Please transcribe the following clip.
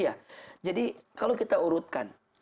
iya jadi kalau kita urutkan